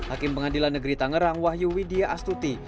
hakim pengadilan negeri tangerang wahyu widya astuti